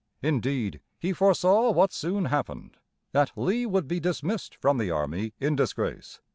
Indeed, he foresaw what soon happened that Lee would be dismissed from the army in disgrace.